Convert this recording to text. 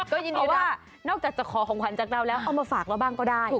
ก็ยินดีว่านอกจากจะขอของขวัญจากเราแล้วเอามาฝากเราบ้างก็ได้